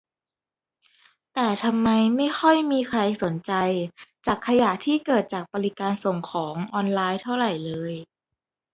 แต่ทำไมไม่ค่อยมีใครสนใจจากขยะที่เกิดจากบริการส่งของออนไลน์เท่าไหร่เลย